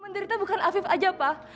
menderita bukan afif aja pak